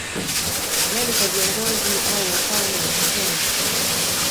Yani kwa viongozi au wafalme wa sehemu husika